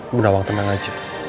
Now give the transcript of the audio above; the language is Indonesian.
bu nawang tenang aja